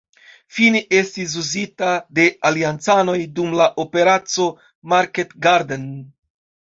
Fine estis uzita de Aliancanoj dum la Operaco Market Garden.